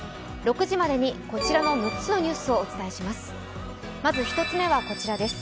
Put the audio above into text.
６時までにこちらの６つのニュースをお伝えします。